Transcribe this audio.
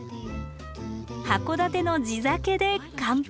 函館の地酒で乾杯！